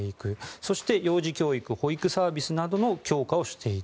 そして幼児教育保育サービスなどの強化をしていく。